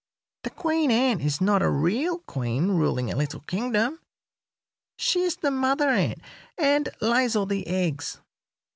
"The queen ant is not a real queen ruling a little kingdom; she is the mother ant, and lays all the eggs.